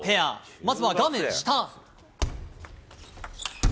まずは画面下。